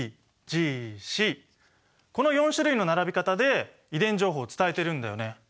この４種類の並び方で遺伝情報を伝えてるんだよね。